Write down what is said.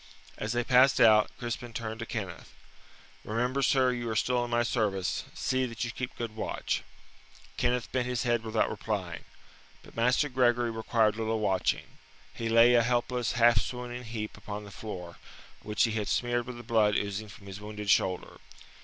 As they passed out, Crispin turned to Kenneth. "Remember, sir, you are still in my service. See that you keep good watch." Kenneth bent his head without replying. But Master Gregory required little watching. He lay a helpless, half swooning heap upon the floor, which he had smeared with the blood oozing from his wounded shoulder.